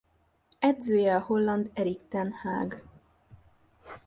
Edzője a holland Erik ten Hag.